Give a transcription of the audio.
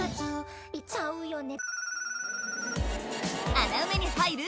穴埋めに入る